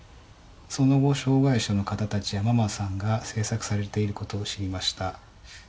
その後、障害者の方達やママさんが制作されていることを知りました。